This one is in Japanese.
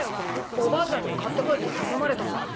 おばあちゃんに買ってこいって頼まれたんだ。